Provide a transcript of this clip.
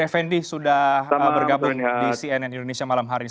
fnd sudah bergabung di cnn indonesia malam hari ini